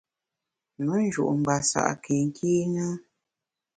Me nju’ ngbasa’ ke nkîne ?